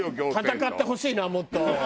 戦ってほしいなもっと。